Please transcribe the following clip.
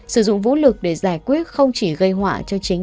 sử dụng vũ lực để giải quyết không chỉ gây họa cho chính